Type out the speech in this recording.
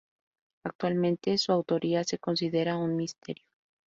Actualmente su autoría se considera un misterio.